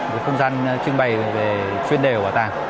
một cái không gian trưng bày về chuyên đề của bảo tàng